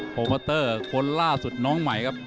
โมเตอร์คนล่าสุดน้องใหม่ครับ